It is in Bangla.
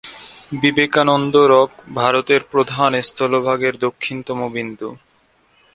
বিবেকানন্দ রক ভারতের প্রধান স্থলভাগের দক্ষিণতম বিন্দু।